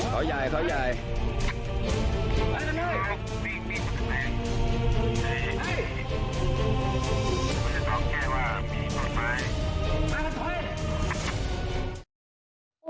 เฮ้ยเอาเข้าแบบว่ามีพลังไหมมากันไป